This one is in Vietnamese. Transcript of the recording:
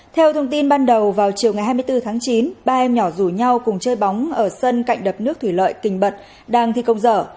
theo thông tin ban đầu vào chiều ngày hai mươi bốn tháng chín ba em nhỏ rủ nhau cùng chơi bóng ở sân cạnh đập nước thủy lợi kình bật đang thi công dở